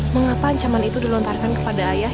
mengapa ancaman itu dilontarkan kepada ayah